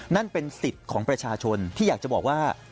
นั่นเป็นสิทธิ์ของประชาชนที่อยากจะบอกว่า